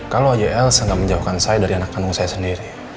kalau aja elsa gak menjauhkan saya dari anak kandung saya sendiri